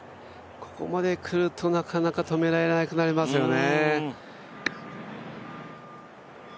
ここまで来ると、なかなか止められなくなりますよね。